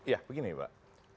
ya begini mbak